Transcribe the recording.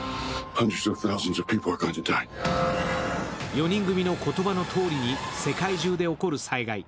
４人組の言葉のとおりに、世界中で起こる災害。